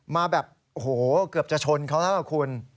มาแบบโอ้โหเกือบจะชนเขาแล้วล่ะคุณ